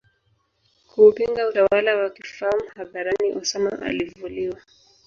kuupinga utawala wa kifalm hadharani Osama alivuliwa